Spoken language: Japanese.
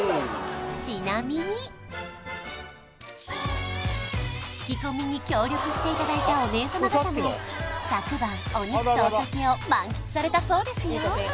ちなみに聞き込みに協力していただいたお姉様方も昨晩お肉とお酒を満喫されたそうですよ